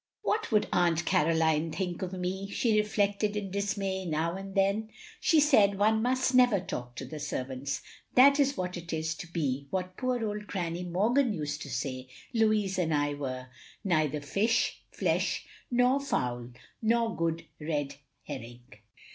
"What wotild Aunt Caroline think of me?" she reflected, in dismay, now and then. "She said one must never talk to the servants. That is what it is to be what poor old Granny Morgan used to say Louis and I were ; neither fish, flesh nor fowl, nor good red herring.